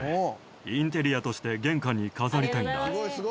インテリアとして玄関に飾りたいんだ。